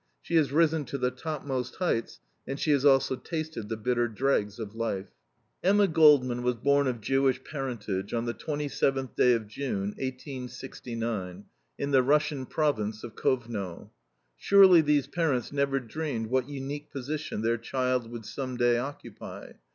She has risen to the topmost heights, and she has also tasted the bitter dregs of life. Emma Goldman was born of Jewish parentage on the 27th day of June, 1869, in the Russian province of Kovno. Surely these parents never dreamed what unique position their child would some day occupy.